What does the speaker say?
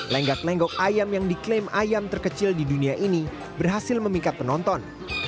lenggak lenggok ayam yang diklaim ayam terkecil di dunia ini berhasil memikat penonton